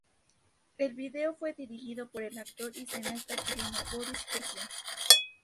El vídeo fue dirigido por el actor y cineasta chileno Boris Quercia.